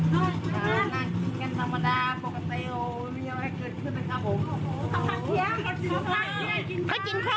นั่งกินกันธรรมดาปกติมีอะไรเกิดขึ้นไหมครับผม